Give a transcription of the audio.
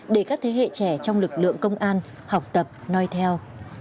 để các thế hệ trẻ trong lực lượng công an học tập nói theo